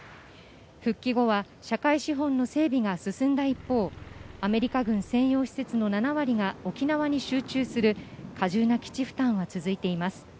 復帰後は、社会資本の整備が進んだ一方、アメリカ軍専用施設の７割が沖縄に集中する過重な基地負担は続いています。